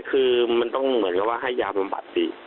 คือมันต้องเหมือนกับว่าให้ยาบำบัดสิ